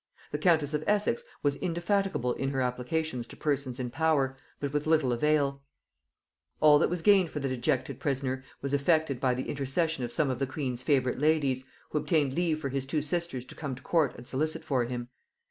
The countess of Essex was indefatigable in her applications to persons in power, but with little avail; all that was gained for the dejected prisoner was effected by the intercession of some of the queen's favorite ladies, who obtained leave for his two sisters to come to court and solicit for him.